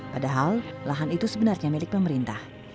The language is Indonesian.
padahal lahan itu sebenarnya milik pemerintah